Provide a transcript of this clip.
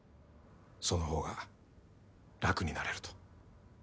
その方が楽になれると。